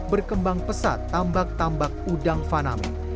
berkembang pesat tambak tambak udang faname